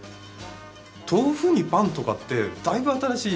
豆腐にパンとかってだいぶ新しい。